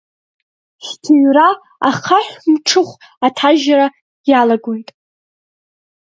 Шәҭыҩра ахаҳә-мҿыхә аҭажьра иалагоит.